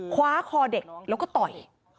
คว้าคอเด็กแล้วก็ต่อย